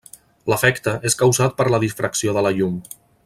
L'efecte és causat per la difracció de la llum.